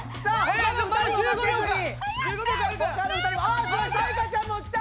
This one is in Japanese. あっ彩加ちゃんもきた！